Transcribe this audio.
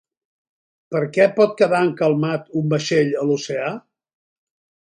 Per què pot quedar encalmat un vaixell a l'oceà?